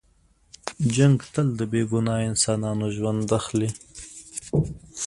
جنګ تل د بې ګناه انسانانو ژوند اخلي.